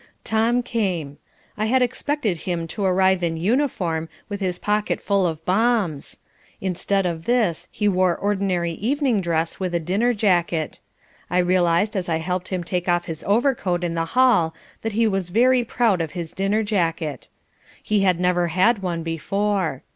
Tom came. I had expected him to arrive in uniform with his pocket full of bombs. Instead of this he wore ordinary evening dress with a dinner jacket. I realised as I helped him to take off his overcoat in the hall that he was very proud of his dinner jacket. He had never had one before.